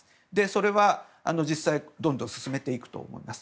それは実際、どんどん進めていくと思います。